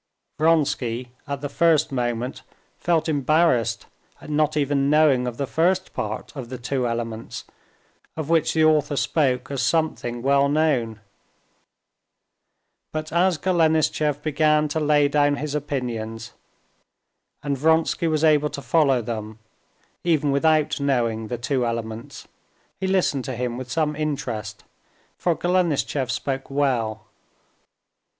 Vronsky at the first moment felt embarrassed at not even knowing of the first part of the Two Elements, of which the author spoke as something well known. But as Golenishtchev began to lay down his opinions and Vronsky was able to follow them even without knowing the Two Elements, he listened to him with some interest, for Golenishtchev spoke well.